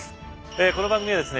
この番組はですね